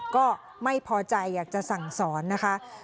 ก็ไม่พอใจอยากจะสั่งสอนนะคะ